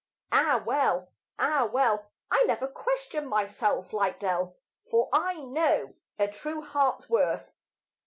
Ah, well! ah, well! I never question myself like Dell, For I know a true heart's worth.